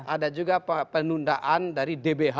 ada juga penundaan dari dbh